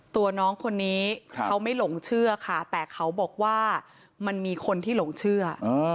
ตัวน้องคนนี้เขาไม่หลงเชื่อค่ะแต่เขาบอกว่ามันมีคนที่หลงเชื่อ